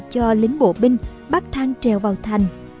cho lính bộ binh bắt thang trèo vào thành